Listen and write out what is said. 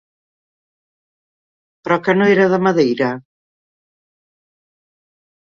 Però que no era de Madeira?